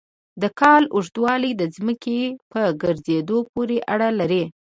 د کال اوږدوالی د ځمکې په ګرځېدو پورې اړه لري.